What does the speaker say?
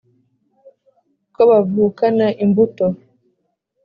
ko bavukana imbuto